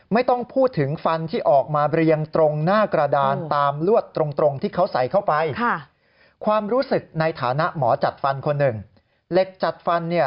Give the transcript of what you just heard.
ไม่ต้องพูดถึงฟันที่ออกมาเรียงตรงหน้ากระดาน